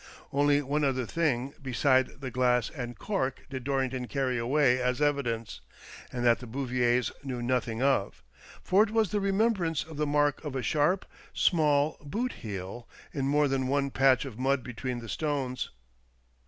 Only one other thing beside the glass and cork did Dorrington carry away as evidence, and that the Bouviers knew nothing of ; for it was the remembrance of the mark of a sharp, small boot heel in more than one patch of mud between the stones.